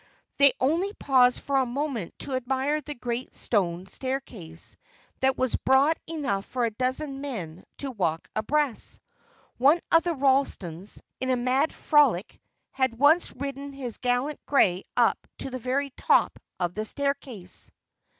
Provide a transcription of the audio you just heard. They only paused for a moment to admire the great stone staircase, that was broad enough for a dozen men to walk abreast. One of the Ralstons, in a mad frolic, had once ridden his gallant grey up to the very top of the staircase.